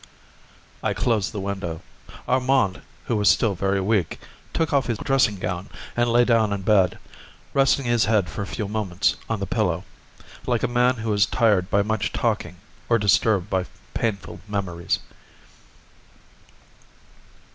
I closed the window. Armand, who was still very weak, took off his dressing gown and lay down in bed, resting his head for a few moments on the pillow, like a man who is tired by much talking or disturbed by painful memories.